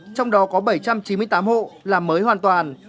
trong đó có bảy trăm chín mươi tám hộ làm mới hoàn toàn